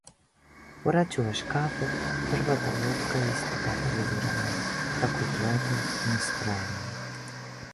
Порачуваш кафе, првата голтка е исто така безвремена, како и твоето настроение.